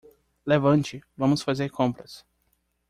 Levante?, vamos fazer compras.